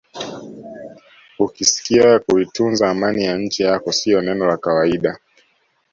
Ukisikia kuitunza amani ya nchi yako sio neno la kawaida